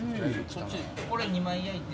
これ２枚焼いて。